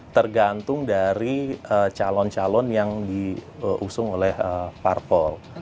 tergantung dari calon calon yang diusung oleh parpol